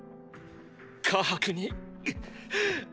カハクに⁉っ！